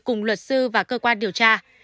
cùng luật sư và cơ quan điều tra